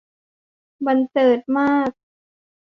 บรรเจิดมาก